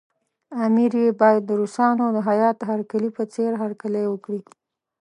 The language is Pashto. امیر یې باید د روسانو د هیات هرکلي په څېر هرکلی وکړي.